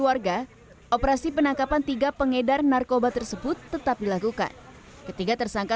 warga operasi penangkapan tiga pengedar narkoba tersebut tetap dilakukan ketiga tersangka